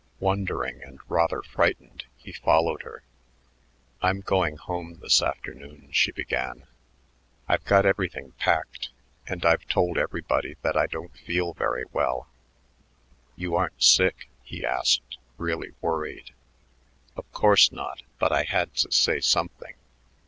Wondering and rather frightened, he followed her. "I'm going home this afternoon," she began. "I've got everything packed, and I've told everybody that I don't feel very well." "You aren't sick?" he asked, really worried. "Of course not, but I had to say something.